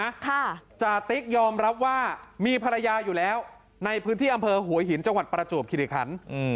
ค่ะจาติ๊กยอมรับว่ามีภรรยาอยู่แล้วในพื้นที่อำเภอหัวหินจังหวัดประจวบคิริคันอืม